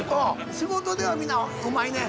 仕事ではみんなうまいねん。